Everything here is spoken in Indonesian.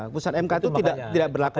putusan mk itu tidak berlaku